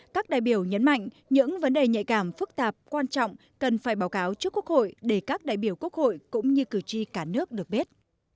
các đại biểu nhấn mạnh những vấn đề nhạy cảm phức tạp quan trọng cần phải báo cáo trước quốc hội để các đại biểu quốc hội cũng như cử tri cả nước được biết